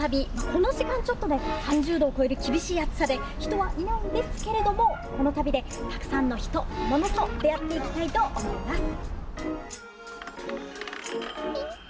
この時間３０度を超える厳しい暑さで人はいないんですけれどもこの旅でたくさんの人、ものと出会っていきたいと思います。